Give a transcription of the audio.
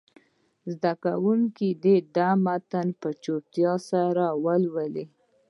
زده کوونکي دې متن په چوپتیا سره ولولي.